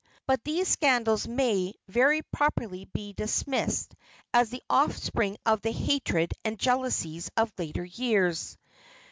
But these scandals may very properly be dismissed as the offspring of the hatred and jealousies of later years.